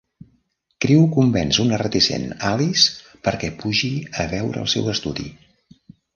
Crewe convenç a una reticent Alice perquè pugi a veure el seu estudi.